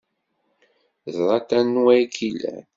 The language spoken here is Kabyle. Ẓrant anwa ay k-ilan.